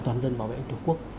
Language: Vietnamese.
toàn dân bảo vệ ảnh hưởng quốc